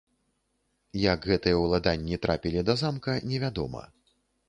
Як гэтыя ўладанні трапілі да замка, не вядома.